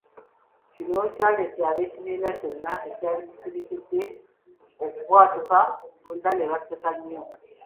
Kino ky’aleetera ekibiina kyonna ekyali kisiriikiridde okubwatuka bonna ne baseka nnyo.